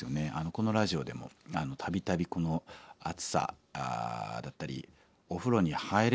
このラジオでも度々この暑さだったりお風呂に入れないっていう